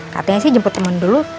katanya sih jemput teman dulu